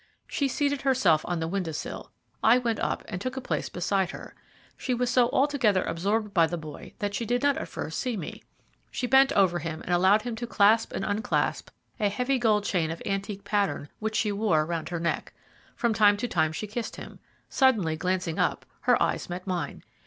She seated herself on the window sill. I went up and took a place beside her. She was so altogether absorbed by the boy that she did not at first see me. She bent over him and allowed him to clasp and unclasp a heavy gold chain of antique pattern which she wore round her neck. From time to time she kissed him. Suddenly glancing up, her eyes met mine.